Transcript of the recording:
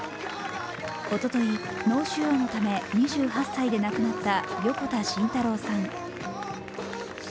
おととい脳腫瘍のため２８歳で亡くなった横田慎太郎さん。